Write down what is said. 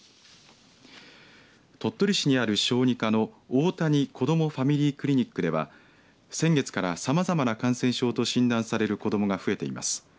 鳥取市にある小児科のおおたにこども・ファミリークリニックでは先月から、さまざまな感染症と診断される子どもが増えています。